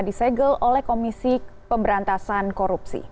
disegel oleh komisi pemberantasan korupsi